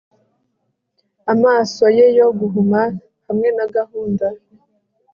Amaso ye yo guhuma hamwe na gahunda